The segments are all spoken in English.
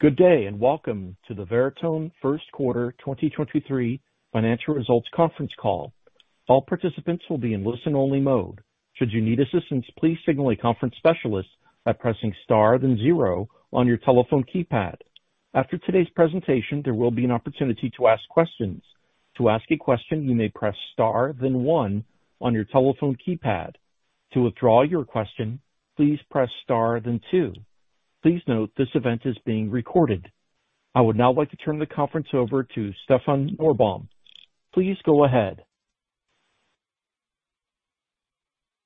Good day, and welcome to the Veritone QQ 0 Financial Results Conference Call. All participants will be in listen-only mode. Should you need assistance, please signal a conference specialist by pressing Star, then 0 on your telephone keypad. After today's presentation, there will be an opportunity to ask questions. To ask a question, you may press Star then one on your telephone keypad. To withdraw your question, please press Star then two. Please note this event is being recorded. I would now like to turn the conference over to Stefan Norbom. Please go ahead.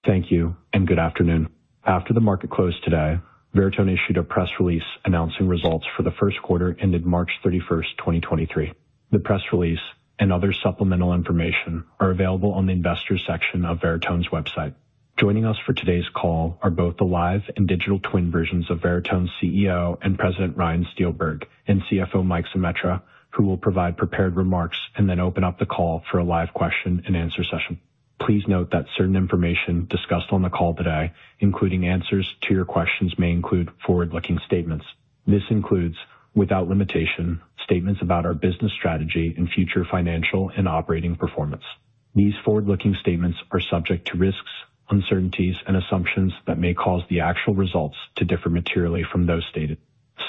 Thank you. Good afternoon. After the market closed today, Veritone issued a press release announcing results for the QQ ended March 3st, 2023. The press release and other supplemental information are available on the investors section of Veritone's website. Joining us for today's call are both the live and digital twin versions of Veritone CEO and President Ryan Steelberg and CFO Mike Zemetra, who will provide prepared remarks and then open up the call for a live question-and-answer session. Please note that certain information discussed on the call today, including answers to your questions, may include forward-looking statements. This includes, without limitation, statements about our business strategy and future financial and operating performance. These forward-looking statements are subject to risks, uncertainties and assumptions that may cause the actual results to differ materially from those stated.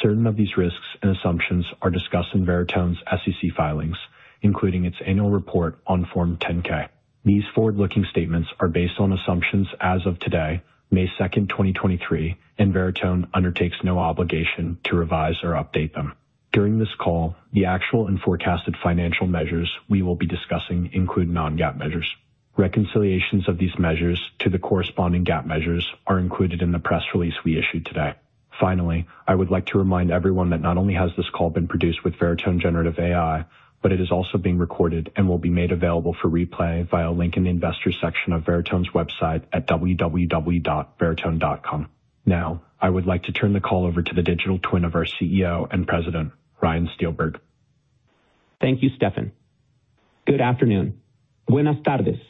Certain of these risks and assumptions are discussed in Veritone's SEC filings, including its annual report on Form 0-K. These forward-looking statements are based on assumptions as of today, May 2, 2023, and Veritone undertakes no obligation to revise or update them. During this call, the actual and forecasted financial measures we will be discussing include non-GAAP measures. Reconciliations of these measures to the corresponding GAAP measures are included in the press release we issued today. Finally, I would like to remind everyone that not only has this call been produced with Veritone generative AI, but it is also being recorded and will be made available for replay via a link in the investor section of Veritone's website at www.veritone.com. Now, I would like to turn the call over to the digital twin of our CEO and President, Ryan Steelberg. Thank you, Stefan. Good afternoon. Buenas tardes.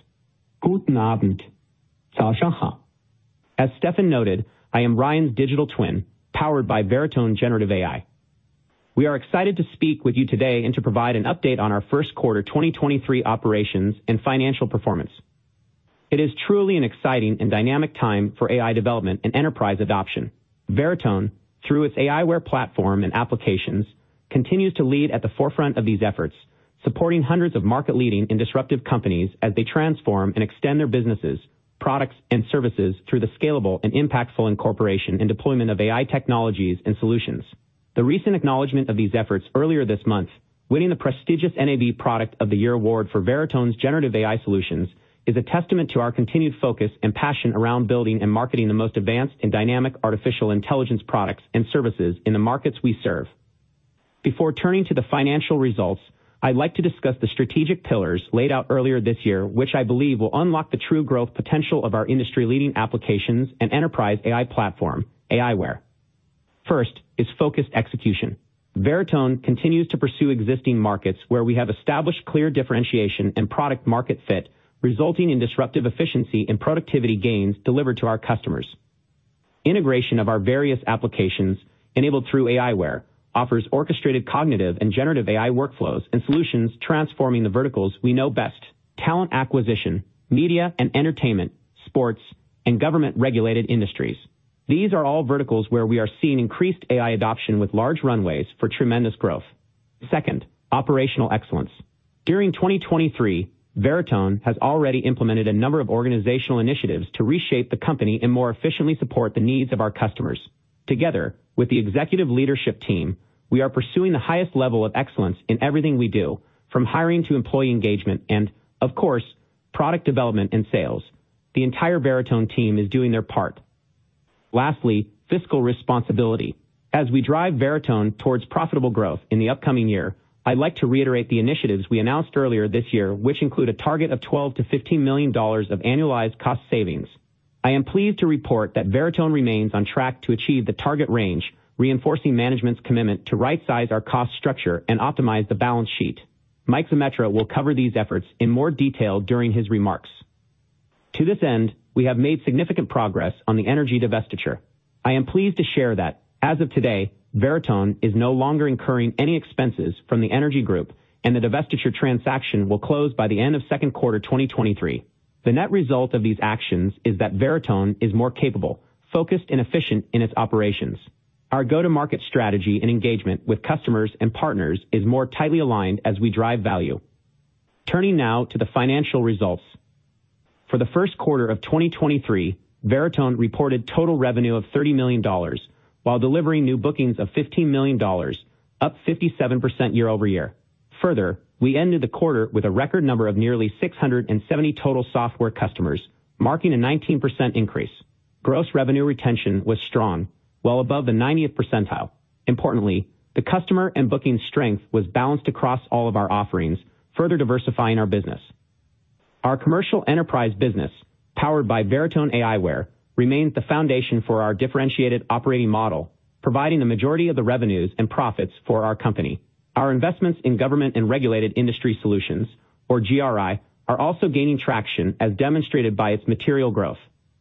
Guten Abend. As Stefan noted, I am Ryan's digital twin, powered by Veritone generative AI. We are excited to speak with you today and to provide an update on our Q 2023 operations and financial performance. It is truly an exciting and dynamic time for AI development and enterprise adoption. Veritone, through its aiWARE platform and applications, continues to lead at the forefront of these efforts, supporting hundreds of market-leading and disruptive companies as they transform and extend their businesses, products, and services through the scalable and impactful incorporation and deployment of AI technologies and solutions. The recent acknowledgement of these efforts earlier this month, winning the prestigious NAB Product of the Year award for Veritone's generative AI solutions, is a testament to our continued focus and passion around building and marketing the most advanced and dynamic artificial intelligence products and services in the markets we serve. Before turning to the financial results, I'd like to discuss the strategic pillars laid out earlier this year, which I believe will unlock the true growth potential of our industry-leading applications and enterprise AI platform, aiWARE. First is focused execution. Veritone continues to pursue existing markets where we have established clear differentiation and product market fit, resulting in disruptive efficiency and productivity gains delivered to our customers. Integration of our various applications enabled through aiWARE offers orchestrated cognitive and generative AI workflows and solutions transforming the verticals we know best: talent acquisition, media and entertainment, sports, and government-regulated industries. These are all verticals where we are seeing increased AI adoption with large runways for tremendous growth. Second, operational excellence. During 2023, Veritone has already implemented a number of organizational initiatives to reshape the company and more efficiently support the needs of our customers. Together with the executive leadership team, we are pursuing the highest level of excellence in everything we do, from hiring to employee engagement and, of course, product development and sales. The entire Veritone team is doing their part. Lastly, fiscal responsibility. As we drive Veritone towards profitable growth in the upcoming year, I'd like to reiterate the initiatives we announced earlier this year, which include a target of $2 million-$15 million of annualized cost savings. I am pleased to report that Veritone remains on track to achieve the target range, reinforcing management's commitment to right-size our cost structure and optimize the balance sheet. Mike Zemetra will cover these efforts in more detail during his remarks. To this end, we have made significant progress on the energy divestiture. I am pleased to share that as of today, Veritone is no longer incurring any expenses from the energy group, and the divestiture transaction will close by the end of Q2 2023. The net result of these actions is that Veritone is more capable, focused, and efficient in its operations. Our go-to-market strategy and engagement with customers and partners is more tightly aligned as we drive value. Turning now to the financial results. For the Q1 of 2023, Veritone reported total revenue of $30 million, while delivering new bookings of $15 million, up 57% year-over-year. Further, we ended the quarter with a record number of nearly 670 total software customers, marking a 19% increase. Gross revenue retention was strong, well above the 90th percentile. Importantly, the customer and booking strength was balanced across all of our offerings, further diversifying our business. Our commercial enterprise business, powered by Veritone aiWARE, remains the foundation for our differentiated operating model, providing the majority of the revenues and profits for our company. Our investments in government and regulated industry solutions, or GRI, are also gaining traction as demonstrated by its material growth.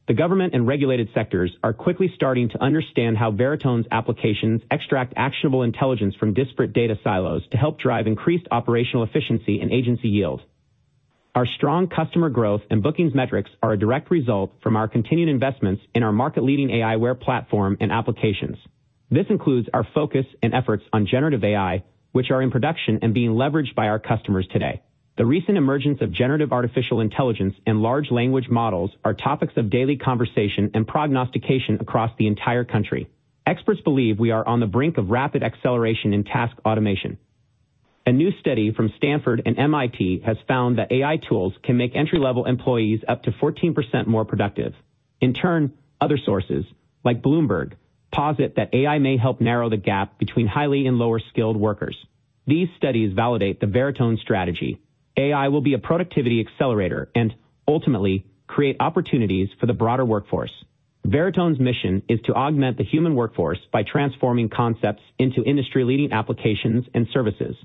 The government and regulated sectors are quickly starting to understand how Veritone's applications extract actionable intelligence from disparate data silos to help drive increased operational efficiency and agency yield. Our strong customer growth and bookings metrics are a direct result from our continued investments in our market-leading aiWARE platform and applications. This includes our focus and efforts on generative AI, which are in production and being leveraged by our customers today. The recent emergence of generative artificial intelligence and large language models are topics of daily conversation and prognostication across the entire country. Experts believe we are on the brink of rapid acceleration in task automation. A new study from Stanford and MIT has found that AI tools can make entry-level employees up to 14% more productive. In turn, other sources, like Bloomberg, posit that AI may help narrow the gap between highly and lower-skilled workers. These studies validate the Veritone strategy. AI will be a productivity accelerator and ultimately create opportunities for the broader workforce. Veritone's mission is to augment the human workforce by transforming concepts into industry-leading applications and services.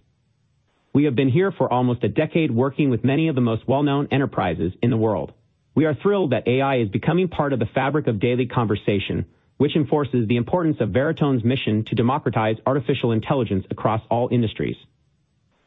We have been here for almost a decade working with many of the most well-known enterprises in the world. We are thrilled that AI is becoming part of the fabric of daily conversation, which enforces the importance of Veritone's mission to democratize artificial intelligence across all industries.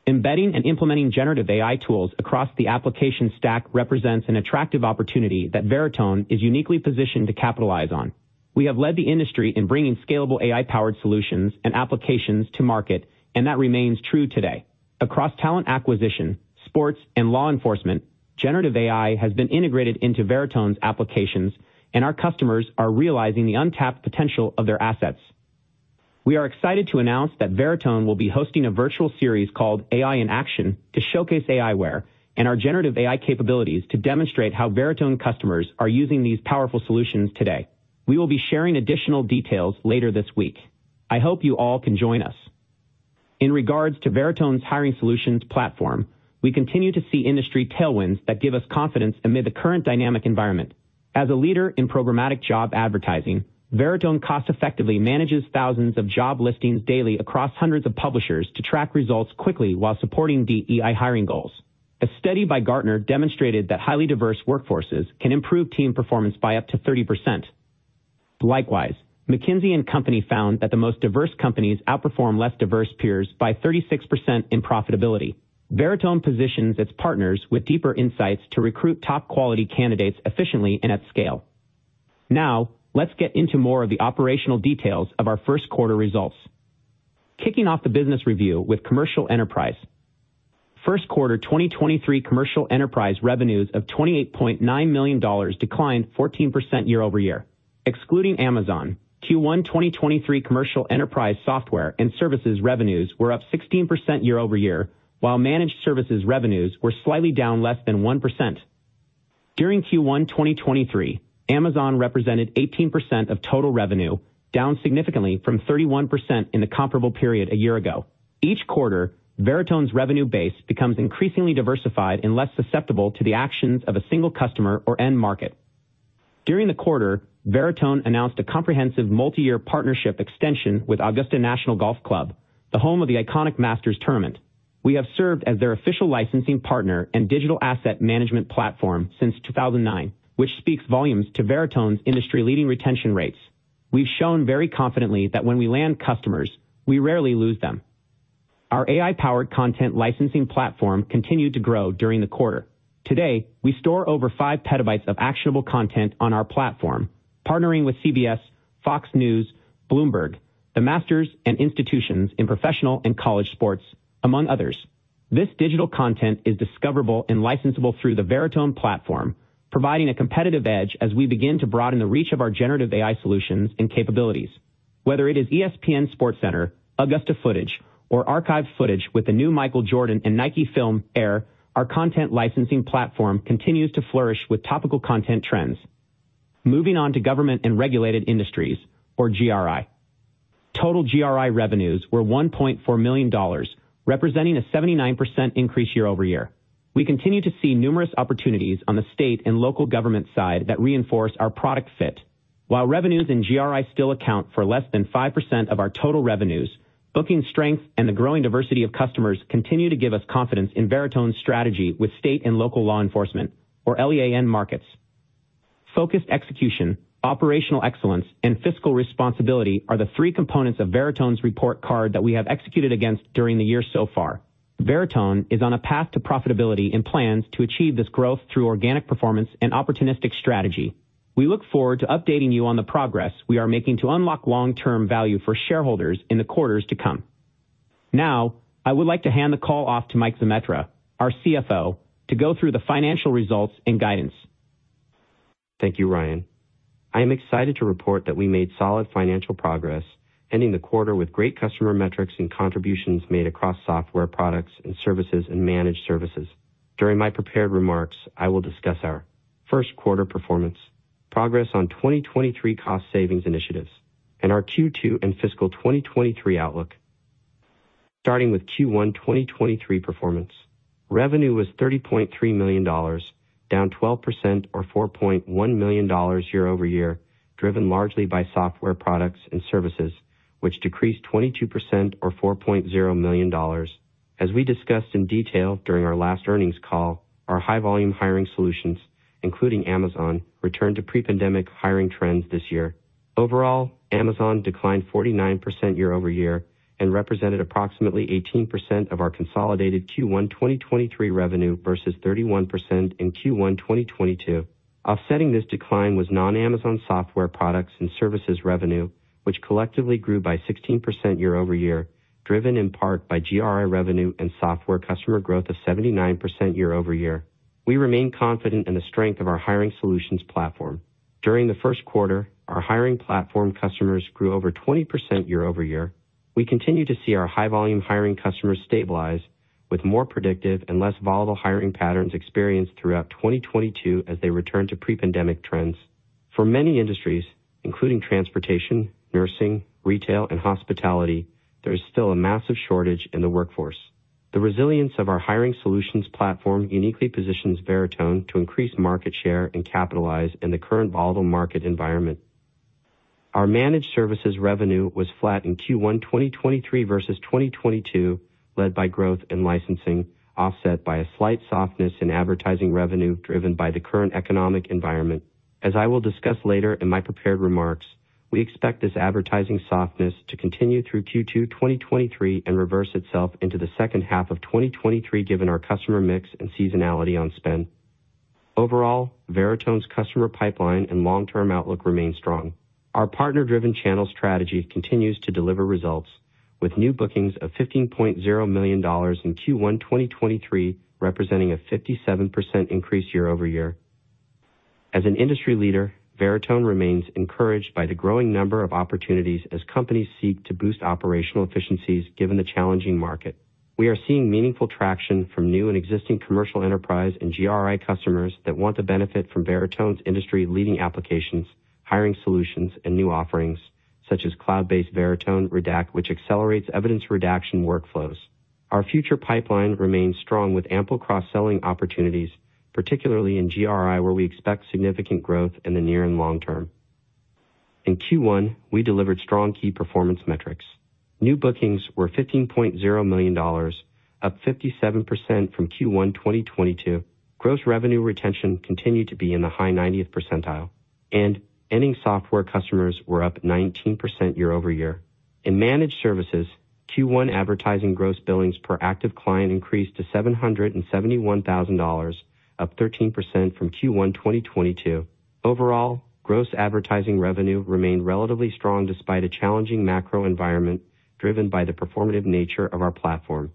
Embedding and implementing generative AI tools across the application stack represents an attractive opportunity that Veritone is uniquely positioned to capitalize on. We have led the industry in bringing scalable AI-powered solutions and applications to market, and that remains true today. Across talent acquisition, sports, and law enforcement, generative AI has been integrated into Veritone's applications, and our customers are realizing the untapped potential of their assets. We are excited to announce that Veritone will be hosting a virtual series called AI in Action to showcase aiWARE and our generative AI capabilities to demonstrate how Veritone customers are using these powerful solutions today. We will be sharing additional details later this week. I hope you all can join us. In regards to Veritone's Hiring Solutions platform, we continue to see industry tailwinds that give us confidence amid the current dynamic environment. As a leader in programmatic job advertising, Veritone cost-effectively manages thousands of job listings daily across hundreds of publishers to track results quickly while supporting DEI hiring goals. A study by Gartner demonstrated that highly diverse workforces can improve team performance by up to 30%. Likewise, McKinsey & Company found that the most diverse companies outperform less diverse peers by 36% in profitability. Veritone positions its partners with deeper insights to recruit top-quality candidates efficiently and at scale. Let's get into more of the operational details of our Q1 results. Kicking off the business review with commercial enterprise.Q1 2023 commercial enterprise revenues of $28.9 million declined 14% year-over-year. Excluding Amazon, Q1 2023 commercial enterprise software and services revenues were up 16% year-over-year, while managed services revenues were slightly down less than 1%. During Q1 2023, Amazon represented 18% of total revenue, down significantly from 31% in the comparable period a year ago. Each quarter, Veritone's revenue base becomes increasingly diversified and less susceptible to the actions of a single customer or end market. During the quarter, Veritone announced a comprehensive multi-year partnership extension with Augusta National Golf Club, the home of the iconic Masters Tournament. We have served as their official licensing partner and digital asset management platform since 2009, which speaks volumes to Veritone's industry-leading retention rates. We've shown very confidently that when we land customers, we rarely lose them. Our AI-powered content licensing platform continued to grow during the quarter. Today, we store over five petabytes of actionable content on our platform, partnering with CBS, Fox News, Bloomberg, the Masters, and institutions in professional and college sports, among others. This digital content is discoverable and licensable through the Veritone platform, providing a competitive edge as we begin to broaden the reach of our generative AI solutions and capabilities. Whether it is ESPN SportsCenter, Augusta Footage, or archive footage with the new Michael Jordan and Nike film Air, our content licensing platform continues to flourish with topical content trends. Moving on to government and regulated industries, or GRI. Total GRI revenues were $1.4 million, representing a 79% increase year-over-year. We continue to see numerous opportunities on the state and local government side that reinforce our product fit. While revenues in GRI still account for less than 5% of our total revenues, booking strength and the growing diversity of customers continue to give us confidence in Veritone's strategy with state and local law enforcement, or LEA markets. Focused execution, operational excellence, and fiscal responsibility are the three components of Veritone's report card that we have executed against during the year so far. Veritone is on a path to profitability and plans to achieve this growth through organic performance and opportunistic strategy. We look forward to updating you on the progress we are making to unlock long-term value for shareholders in the quarters to come. I would like to hand the call off to Mike Zemetra, our CFO, to go through the financial results and guidance. Thank you, Ryan. I am excited to report that we made solid financial progress, ending the quarter with great customer metrics and contributions made across software products and services and managed services. During my prepared remarks, I will discuss our Q1 performance, progress on 2023 cost savings initiatives, and our Q2 and fiscal 2023 outlook. Starting with Q1 2023 performance. Revenue was $30.3 million, down 12% or $4.1 million year-over-year, driven largely by software products and services, which decreased 22% or $4.0 million. As we discussed in detail during our last earnings call, our high volume hiring solutions, including Amazon, returned to pre-pandemic hiring trends this year. Overall, Amazon declined 49% year-over-year and represented approximately 18% of our consolidated Q1 2023 revenue versus 31% in Q1 2022. Offsetting this decline was non-Amazon software products and services revenue, which collectively grew by 16% year-over-year, driven in part by GRI revenue and software customer growth of 79% year-over-year. We remain confident in the strength of our hiring solutions platform. During the Q1, our hiring platform customers grew over 20% year-over-year. We continue to see our high volume hiring customers stabilize with more predictive and less volatile hiring patterns experienced throughout 2022 as they return to pre-pandemic trends. For many industries, including transportation, nursing, retail, and hospitality, there is still a massive shortage in the workforce. The resilience of our hiring solutions platform uniquely positions Veritone to increase market share and capitalize in the current volatile market environment. Our managed services revenue was flat in Q1 2023 versus 2022, led by growth in licensing, offset by a slight softness in advertising revenue driven by the current economic environment. As I will discuss later in my prepared remarks, we expect this advertising softness to continue through Q2 2023 and reverse itself into the second half of 2023, given our customer mix and seasonality on spend. Overall, Veritone's customer pipeline and long-term outlook remain strong. Our partner-driven channel strategy continues to deliver results with new bookings of $15.0 million in Q1 2023, representing a 57% increase year-over-year. As an industry leader, Veritone remains encouraged by the growing number of opportunities as companies seek to boost operational efficiencies given the challenging market. We are seeing meaningful traction from new and existing commercial enterprise and GRI customers that want the benefit from Veritone's industry-leading applications, hiring solutions, and new offerings such as cloud-based Veritone Redact, which accelerates evidence redaction workflows. Our future pipeline remains strong with ample cross-selling opportunities, particularly in GRI, where we expect significant growth in the near and long term. In Q1, we delivered strong key performance metrics. New bookings were $15.0 million, up 57% from Q1 2022. Gross revenue retention continued to be in the high 90th percentile, and ending software customers were up 19% year-over-year. In managed services, Q1 advertising gross billings per active client increased to $771,000, up 13% from Q1 2022. Overall, gross advertising revenue remained relatively strong despite a challenging macro environment driven by the performative nature of our platform.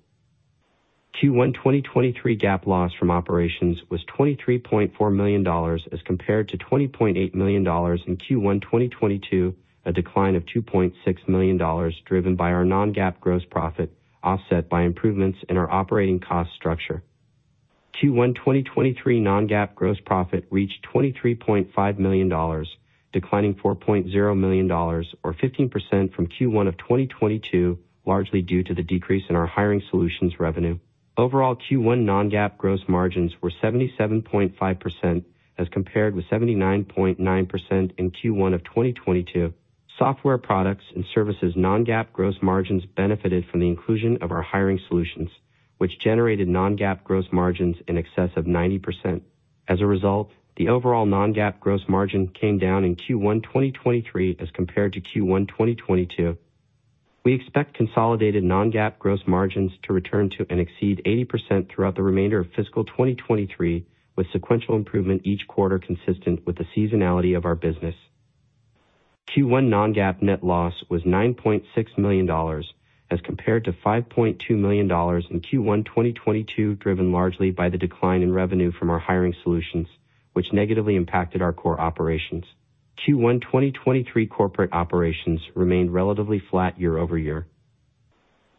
Q1 2023 GAAP loss from operations was $23.4 million as compared to $20.8 million in Q1 2022, a decline of $2.6 million driven by our non-GAAP gross profit, offset by improvements in our operating cost structure. Q1 2023 non-GAAP gross profit reached $23.5 million, declining $4.0 million or 15% from Q1 2022, largely due to the decrease in our hiring solutions revenue. Overall, Q1 non-GAAP gross margins were 77.5% as compared with 79.9% in Q1 2022. Software products and services non-GAAP gross margins benefited from the inclusion of our hiring solutions, which generated non-GAAP gross margins in excess of 90%. The overall non-GAAP gross margin came down in Q1 2023 as compared to Q1 2022. We expect consolidated non-GAAP gross margins to return to and exceed 80% throughout the remainder of fiscal 2023, with sequential improvement each quarter consistent with the seasonality of our business. Q1 non-GAAP net loss was $9.6 million as compared to $5.2 million in Q1 2022, driven largely by the decline in revenue from our hiring solutions, which negatively impacted our core operations. Q1 2023 corporate operations remained relatively flat year-over-year.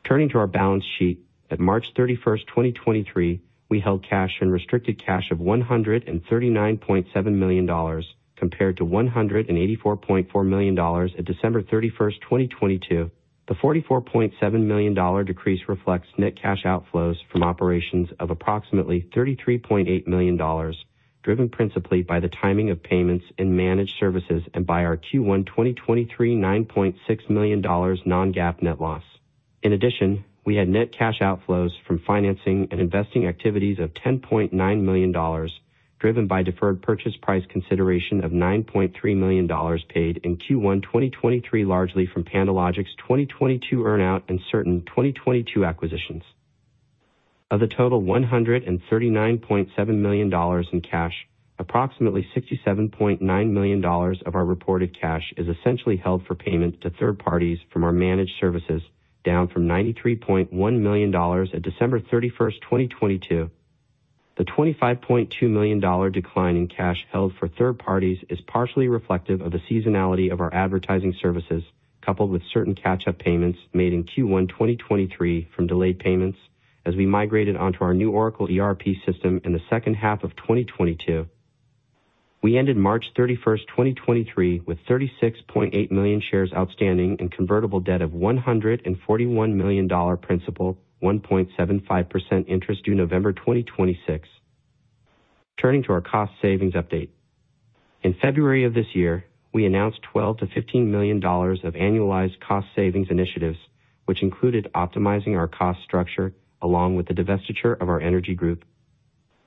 Turning to our balance sheet, at March 31st, 2023, we held cash and restricted cash of $139.7 million compared to $184.4 million at December 31st, 2022. The $44.7 million decrease reflects net cash outflows from operations of approximately $33.8 million, driven principally by the timing of payments in managed services and by our Q1 2023 $9.6 million non-GAAP net loss. In addition, we had net cash outflows from financing and investing activities of $10.9 million, driven by deferred purchase price consideration of $9.3 million paid in Q1 2023, largely from PandoLogic's 2022 earn-out and certain 2022 acquisitions. Of the total $139.7 million in cash, approximately $67.9 million of our reported cash is essentially held for payment to third parties from our managed services, down from $93.1 million at December 31st, 2022. The $25.2 million decline in cash held for third parties is partially reflective of the seasonality of our advertising services, coupled with certain catch-up payments made in Q1 2023 from delayed payments as we migrated onto our new Oracle ERP system in the second half of 2022. We ended March 31, 2023, with 36.8 million shares outstanding and convertible debt of $141 million principal, 1.75% interest due November 2026. Turning to our cost savings update. In February of this year, we announced $12 million-$15 million of annualized cost savings initiatives, which included optimizing our cost structure along with the divestiture of our energy group.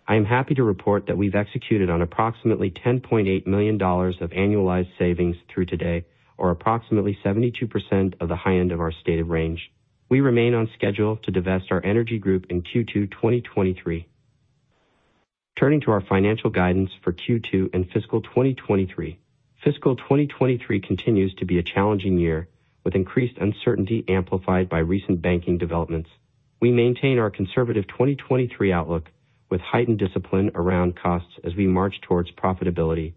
I am happy to report that we've executed on approximately $10.8 million of annualized savings through today, or approximately 72% of the high-end of our stated range. We remain on schedule to divest our energy group in Q2, 2023. Turning to our financial guidance for Q2 and fiscal 2023. Fiscal 2023 continues to be a challenging year, with increased uncertainty amplified by recent banking developments. We maintain our conservative 2023 outlook with heightened discipline around costs as we march towards profitability.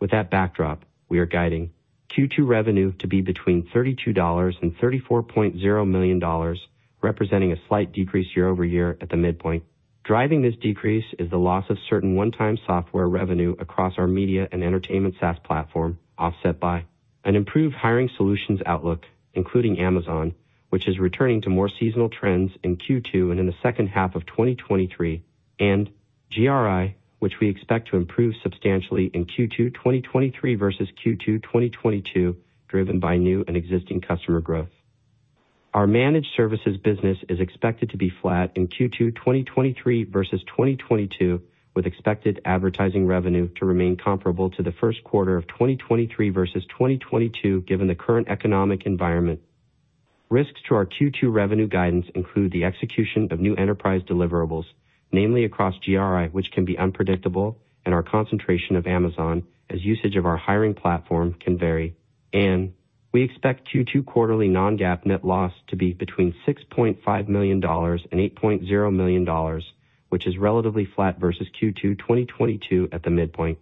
With that backdrop, we are guiding Q2 revenue to be between $32 and $34.0 million, representing a slight decrease year-over-year at the midpoint. Driving this decrease is the loss of certain one-time software revenue across our media and entertainment SaaS platform, offset by an improved hiring solutions outlook, including Amazon, which is returning to more seasonal trends in Q2 and in the second half of 2023. GRI, which we expect to improve substantially in Q2 2023 versus Q2 2022, driven by new and existing customer growth. Our managed services business is expected to be flat in Q2 2023 versus 2022, with expected advertising revenue to remain comparable to the Q1 of 2023 versus 2022, given the current economic environment. Risks to our Q2 revenue guidance include the execution of new enterprise deliverables, namely across GRI, which can be unpredictable, and our concentration of Amazon as usage of our hiring platform can vary. We expect Q2 quarterly non-GAAP net loss to be between $6.5 million and $8.0 million, which is relatively flat versus Q2 2022 at the midpoint.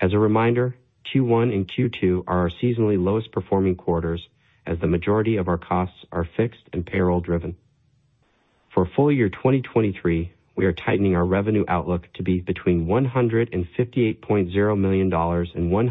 As a reminder, Q1 and Q2 are our seasonally lowest performing quarters as the majority of our costs are fixed and payroll driven. For full year 2023, we are tightening our revenue outlook to be between $158.0 million and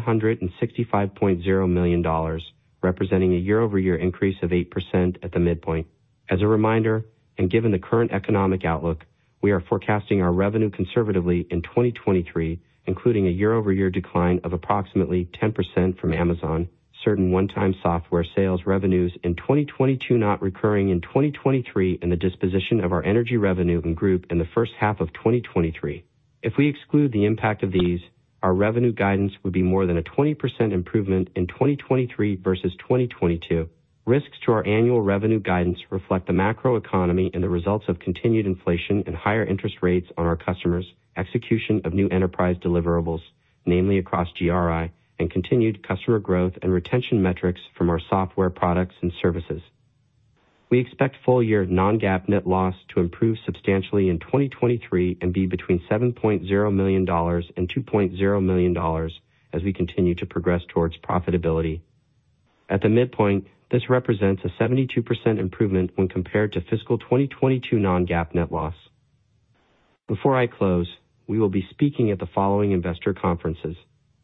$165.0 million, representing a year-over-year increase of 8% at the midpoint. As a reminder, given the current economic outlook, we are forecasting our revenue conservatively in 2023, including a year-over-year decline of approximately 10% from Amazon, certain one-time software sales revenues in 2022 not recurring in 2023, and the disposition of our energy revenue and group in the first half of 2023. If we exclude the impact of these, our revenue guidance would be more than a 20% improvement in 2023 versus 2022. Risks to our annual revenue guidance reflect the macroeconomy and the results of continued inflation and higher interest rates on our customers, execution of new enterprise deliverables, namely across GRI and continued customer growth and retention metrics from our software products and services. We expect full year non-GAAP net loss to improve substantially in 2023 and be between $7.0 million and $2.0 million as we continue to progress towards profitability. At the midpoint, this represents a 72% improvement when compared to fiscal 2022 non-GAAP net loss. Before I close, we will be speaking at the following investor conferences: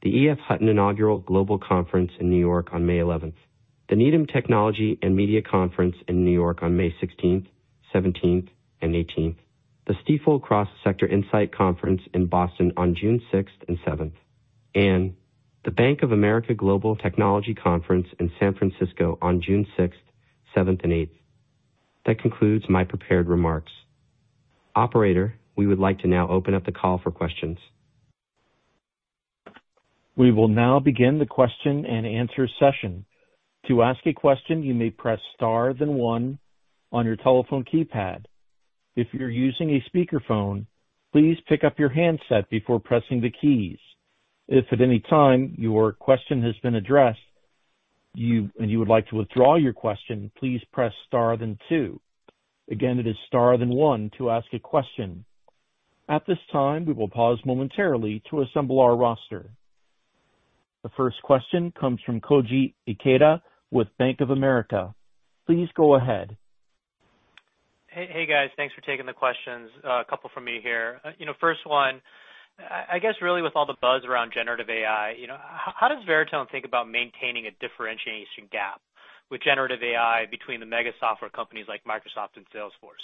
the Inaugural EF Hutton Global Conference in New York on May 11th, the Needham Technology & Media Conference in New York on May 16th, 17th and 18th, the Stifel Cross Sector Insight Conference in Boston on June 6th and 7th, and the Bank of America Global Technology Conference in San Francisco on June 6th, 7th and 8th. That concludes my prepared remarks. Operator, we would like to now open up the call for questions. We will now begin the question and answer session. To ask a question, you may press Star then one on your telephone keypad. If you're using a speakerphone, please pick up your handset before pressing the keys. If at any time your question has been addressed, and you would like to withdraw your question, please press Star then two. Again, it is Star then one to ask a question. At this time, we will pause momentarily to assemble our roster. The first question comes from Koji Ikeda with Bank of America. Please go ahead. Hey, guys. Thanks for taking the questions. A couple from me here. You know, first one, I guess really with all the buzz around generative AI, you know, how does Veritone think about maintaining a differentiation gap with generative AI between the mega software companies like Microsoft and Salesforce?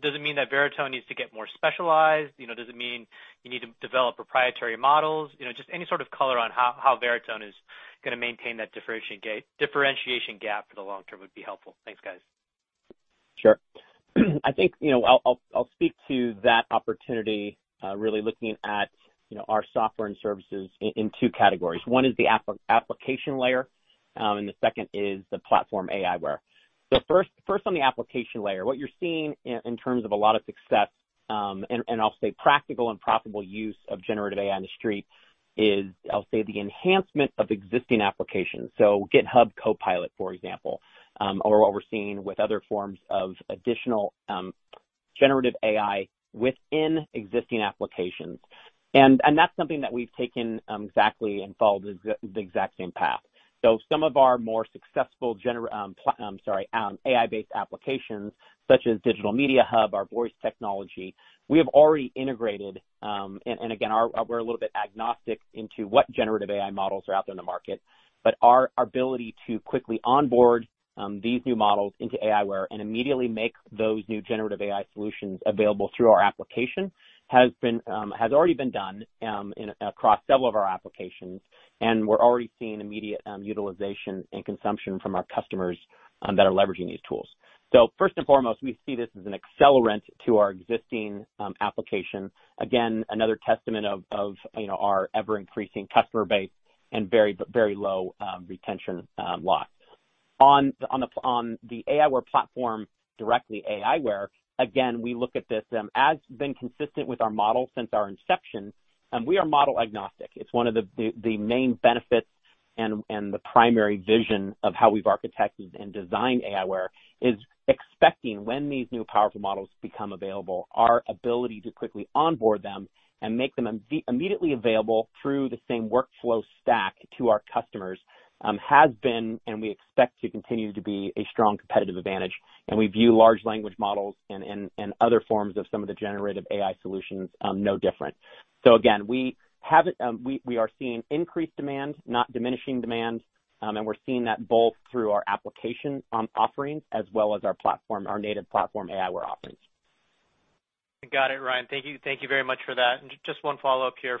Does it mean that Veritone needs to get more specialized? You know, does it mean you need to develop proprietary models? You know, just any sort of color on how Veritone is gonna maintain that differentiation gap for the long term would be helpful. Thanks, guys. Sure. I think, you know, I'll speak to that opportunity, really looking at, you know, our software and services in two categories. One is the application layer, and the second is the platform aiWARE. First on the application layer. What you're seeing in terms of a lot of success, and I'll say practical and profitable use of generative AI in the street is, I'll say, the enhancement of existing applications. GitHub Copilot, for example, or what we're seeing with other forms of additional generative AI within existing applications. That's something that we've taken exactly and followed the exact same path. Some of our more successful AI-based applications such as Digital Media Hub, our voice technology, we have already integrated, and again, we're a little bit agnostic into what generative AI models are out there in the market. Our ability to quickly onboard these new models into aiWARE and immediately make those new generative AI solutions available through our application has been has already been done across several of our applications, and we're already seeing immediate utilization and consumption from our customers that are leveraging these tools. First and foremost, we see this as an accelerant to our existing application. Another testament of, you know, our ever-increasing customer base and very low retention loss. On the aiWARE platform, directly aiWARE, again, we look at this, as been consistent with our model since our inception, we are model agnostic. It's one of the main benefits and the primary vision of how we've architected and designed aiWARE is expecting when these new powerful models become available, our ability to quickly onboard them and make them immediately available through the same workflow stack to our customers, has been, and we expect to continue to be a strong competitive advantage. We view large language models and other forms of some of the generative AI solutions, no different. Again, we haven't. We are seeing increased demand, not diminishing demand, and we're seeing that both through our application, offerings as well as our platform, our native platform aiWARE offerings. Got it, Ryan. Thank you very much for that. Just one follow-up here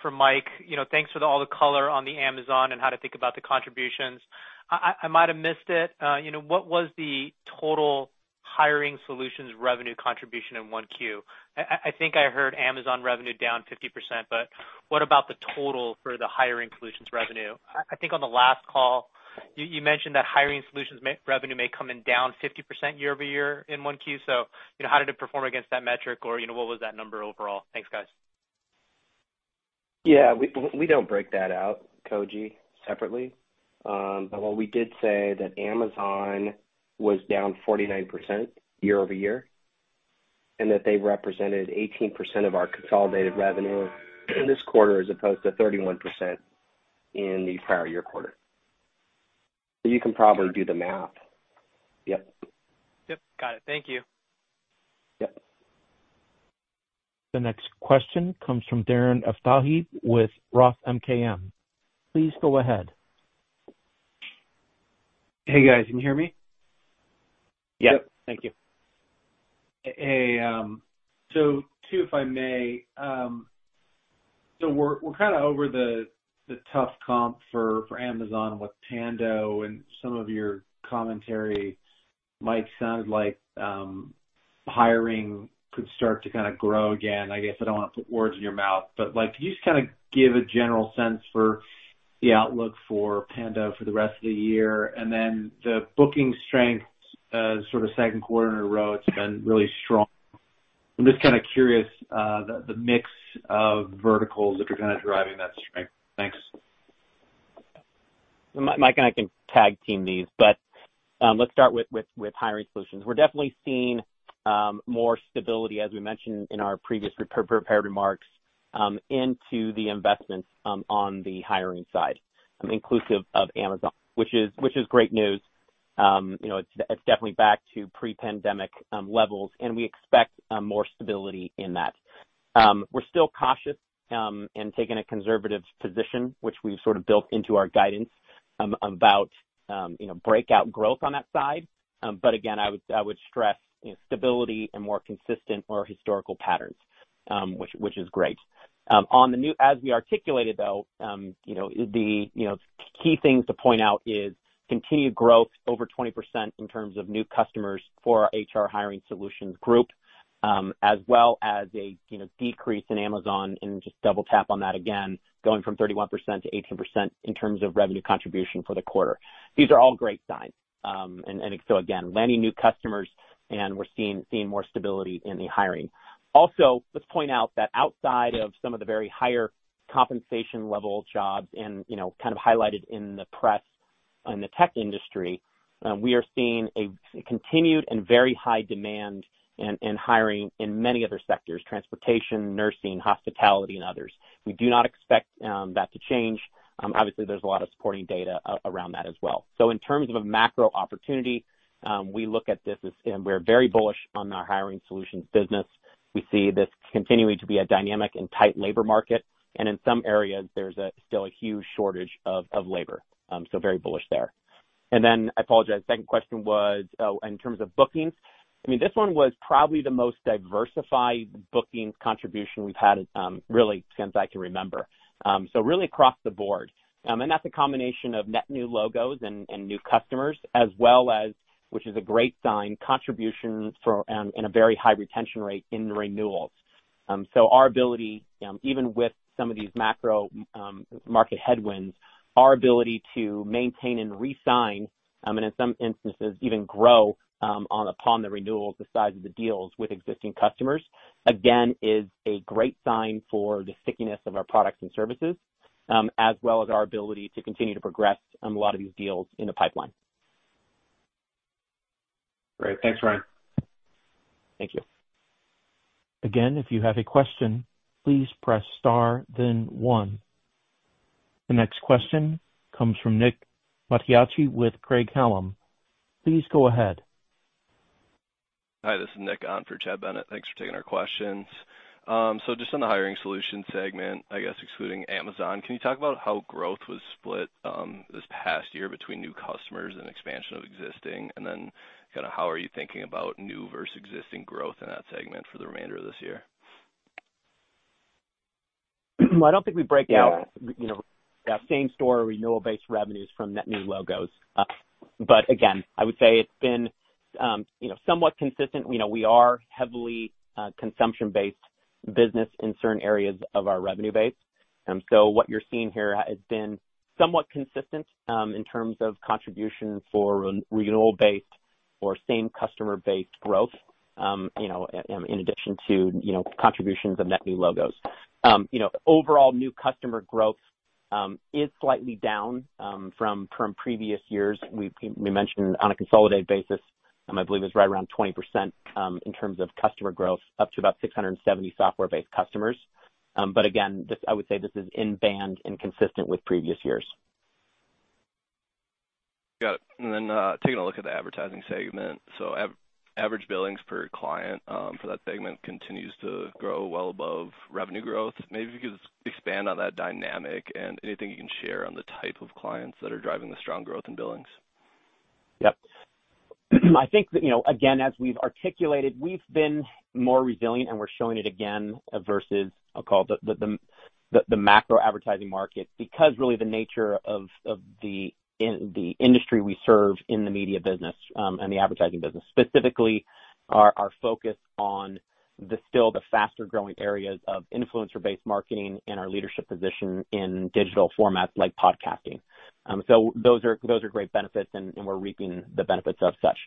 for Mike. You know, thanks for all the color on the Amazon and how to think about the contributions. I might have missed it. You know, what was the total hiring solutions revenue contribution in 1Q? I think I heard Amazon revenue down 50%, but what about the total for the hiring solutions revenue? I think on the last call you mentioned that hiring solutions revenue may come in down 50% year-over-year in 1Q. You know, how did it perform against that metric? You know, what was that number overall? Thanks, guys. Yeah, we don't break that out, Koji, separately. What we did say that Amazon was down 49% year-over-year, and that they represented 18% of our consolidated revenue in this quarter, as opposed to 31% in the prior year quarter. You can probably do the math. Yep. Yep. Got it. Thank you. Yep. The next question comes from Darren Aftahi with ROTH MKM. Please go ahead. Hey, guys. Can you hear me? Yep. Thank you. Hey, two, if I may. We're kinda over the tough comp for Amazon with Twitch, and some of your commentary might sound like hiring could start to kinda grow again. I guess I don't wanna put words in your mouth, but, like, can you just kinda give a general sense for the outlook for Twitch for the rest of the year? The booking strength, sort of Q2 in a row, it's been really strong. I'm just kinda curious, the mix of verticals that are kinda driving that strength. Thanks. Mike and I can tag team these, let's start with hiring solutions. We're definitely seeing more stability, as we mentioned in our previous prepared remarks, into the investments on the hiring side, inclusive of Amazon, which is great news. You know, it's definitely back to pre-pandemic levels, we expect more stability in that. We're still cautious in taking a conservative position, which we've sort of built into our guidance, about, you know, breakout growth on that side. Again, I would stress, you know, stability and more consistent or historical patterns, which is great. As we articulated, though, you know, the, you know, key things to point out is continued growth over 20% in terms of new customers for our HR hiring solutions group, as well as a, you know, decrease in Amazon, and just double tap on that again, going from 31% to 18% in terms of revenue contribution for the quarter. These are all great signs. Again, landing new customers, and we're seeing more stability in the hiring. Let's point out that outside of some of the very higher compensation level jobs and, you know, kind of highlighted in the press in the tech industry, we are seeing a continued and very high demand in hiring in many other sectors: transportation, nursing, hospitality, and others. We do not expect that to change. Obviously, there's a lot of supporting data around that as well. In terms of a macro opportunity, we look at this and we're very bullish on our hiring solutions business. We see this continuing to be a dynamic and tight labor market, and in some areas, there's still a huge shortage of labor. Very bullish there. I apologize. Second question was in terms of bookings. I mean, this one was probably the most diversified bookings contribution we've had, really since I can remember. Really across the board. That's a combination of net new logos and new customers as well as, which is a great sign, contributions for, and a very high retention rate in renewals. Our ability, even with some of these macro market headwinds, our ability to maintain and re-sign, and in some instances even grow upon the renewals the size of the deals with existing customers, again, is a great sign for the stickiness of our products and services, as well as our ability to continue to progress on a lot of these deals in the pipeline. Great. Thanks, Ryan. Thank you. Again, if you have a question, please press star then one. The next question comes from Nick Mattiacci with Craig-Hallum. Please go ahead. Hi, this is Nick on for Chad Bennett. Thanks for taking our questions. Just on the hiring solution segment, I guess excluding Amazon, can you talk about how growth was split this past year between new customers and expansion of existing? Kinda how are you thinking about new versus existing growth in that segment for the remainder of this year? I don't think we break out, you know, same store renewal-based revenues from net new logos. Again, I would say it's been, you know, somewhat consistent. You know, we are heavily, consumption-based business in certain areas of our revenue base. What you're seeing here has been somewhat consistent, in terms of contribution for re-renewal based or same customer-based growth, you know, in addition to, you know, contributions of net new logos. You know, overall new customer growth is slightly down from previous years. We mentioned on a consolidated basis, I believe is right around 20%, in terms of customer growth, up to about 670 software-based customers. Again, I would say this is in band and consistent with previous years. Got it. Taking a look at the advertising segment. Average billings per client, for that segment continues to grow well above revenue growth. Maybe if you could just expand on that dynamic and anything you can share on the type of clients that are driving the strong growth in billings. Yep. I think that, you know, again, as we've articulated, we've been more resilient and we're showing it again versus, I'll call the macro advertising market because really the nature of the industry we serve in the media business, and the advertising business, specifically our focus on the still the faster growing areas of influencer-based marketing and our leadership position in digital formats like podcasting. So those are, those are great benefits and we're reaping the benefits of such.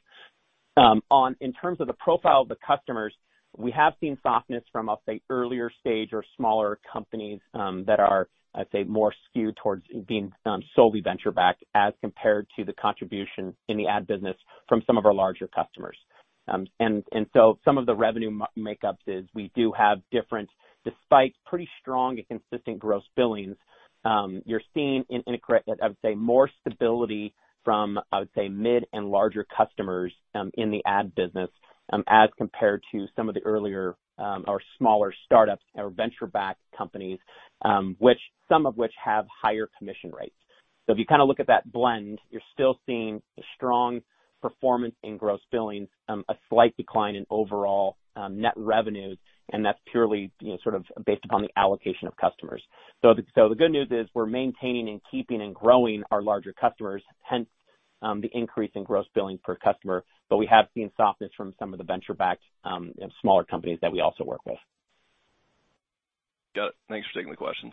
In terms of the profile of the customers, we have seen softness from, I'll say, earlier stage or smaller companies, that are, I'd say, more skewed towards being, solely venture-backed as compared to the contribution in the ad business from some of our larger customers. Some of the revenue makeup is, we do have different... Despite pretty strong and consistent gross billings, you're seeing in a correct, I would say, more stability from, I would say, mid and larger customers in the ad business, as compared to some of the earlier or smaller startups or venture-backed companies, which some of which have higher commission rates. If you kinda look at that blend, you're still seeing a strong performance in gross billings, a slight decline in overall net revenues, and that's purely, you know, sort of based upon the allocation of customers. The good news is we're maintaining and keeping and growing our larger customers, hence, the increase in gross billings per customer. We have seen softness from some of the venture-backed, smaller companies that we also work with. Got it. Thanks for taking the questions.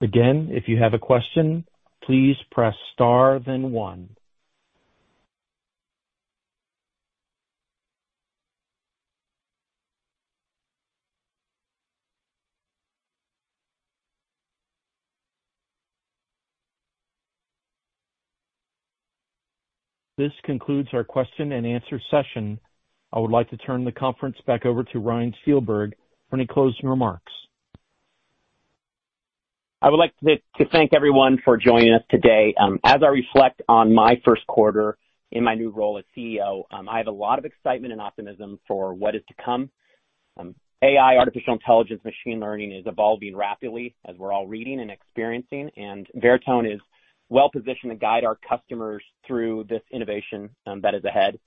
Again, if you have a question, please press star then one. This concludes our question and answer session. I would like to turn the conference back over to Ryan Steelberg for any closing remarks. I would like to thank everyone for joining us today. As I reflect on my Q1 in my new role as CEO, I have a lot of excitement and optimism for what is to come. AI, artificial intelligence, machine learning is evolving rapidly as we're all reading and experiencing. Veritone is well positioned to guide our customers through this innovation that is ahead.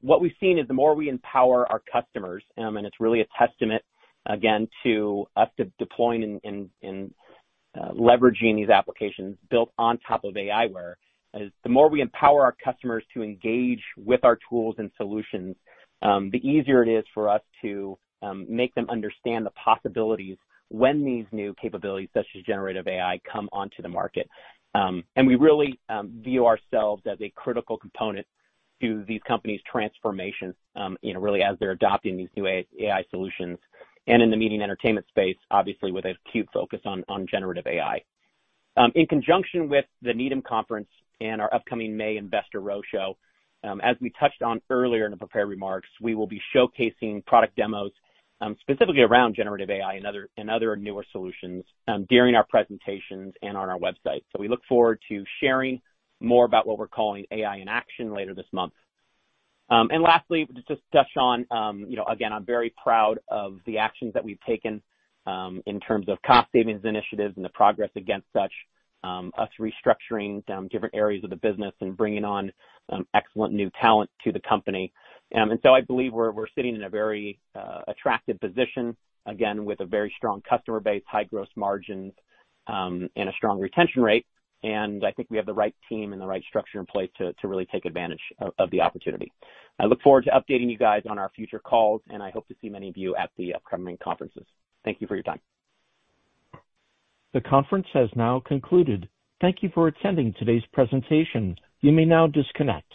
What we've seen is the more we empower our customers, it's really a testament again to us de-deploying and leveraging these applications built on top of aiWARE, is the more we empower our customers to engage with our tools and solutions, the easier it is for us to make them understand the possibilities when these new capabilities such as generative AI come onto the market. We really, you know, view ourselves as a critical component to these companies' transformation, really as they're adopting these new AI solutions and in the media and entertainment space, obviously with acute focus on generative AI. In conjunction with the Needham Conference and our upcoming May investor roadshow, as we touched on earlier in the prepared remarks, we will be showcasing product demos, specifically around generative AI and other newer solutions during our presentations and on our website. We look forward to sharing more about what we're calling AI in Action later this month. Lastly, just to touch on, you know, again, I'm very proud of the actions that we've taken in terms of cost savings initiatives and the progress against such, us restructuring, different areas of the business and bringing on excellent new talent to the company. I believe we're sitting in a very attractive position, again, with a very strong customer base, high gross margins, and a strong retention rate. I think we have the right team and the right structure in place to really take advantage of the opportunity. I look forward to updating you guys on our future calls, and I hope to see many of you at the upcoming conferences. Thank you for your time. The conference has now concluded. Thank you for attending today's presentation. You may now disconnect.